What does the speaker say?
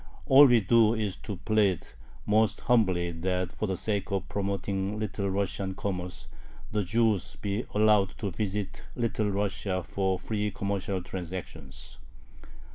All we do is to plead most humbly that, for the sake of promoting Little Russian commerce, the Jews be allowed to visit Little Russia for free commercial transactions.